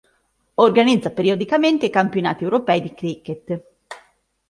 Organizza periodicamente i Campionati europei di cricket.